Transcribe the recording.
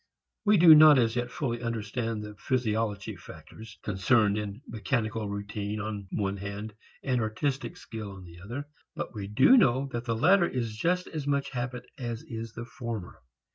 We do not as yet fully understand the physiological factors concerned in mechanical routine on one hand and artistic skill on the other, but we do know that the latter is just as much habit as is the former.